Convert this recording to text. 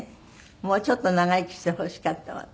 もうちょっと長生きしてほしかったわね。